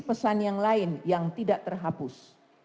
pesan yang lain yang tidak terhapus